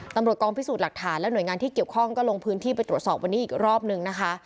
ตำรวจกองพิสูจน์หลักฐานและหน่วยงานที่เกี่ยวข้องก็ลงพื้นที่ไปตรวจสอบวันนี้อีกรอบนึงนะคะ